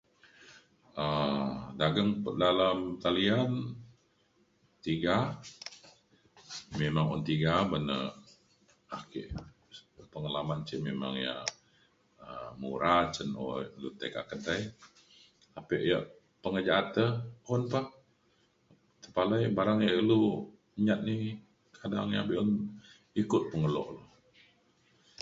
um dageng dalam talian tiga memang un tiga ban na ake pengalaman ke memang yak um mura cen o lu ti kak kedai. tapi yak pengejaat te un pa tepalai barang yak ilu nyat ni kadang ia’ be’un ikut pengelok lu